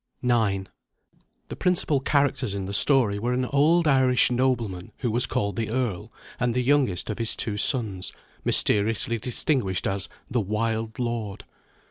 IX THE principal characters in the story were an old Irish nobleman, who was called the Earl, and the youngest of his two sons, mysteriously distinguished as "the wild lord."